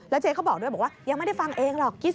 แล้วเจ๊เขาบอกด้วยยังไม่ได้ฟังเองหรอก